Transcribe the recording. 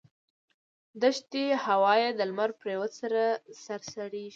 دښتي هوا یې د لمر پرېوتو سره سړېږي.